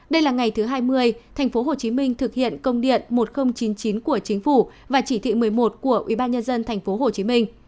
đây là ngày thứ hai mươi tp hcm thực hiện công điện một nghìn chín mươi chín của chính phủ và chỉ thị một mươi một của ubnd tp hcm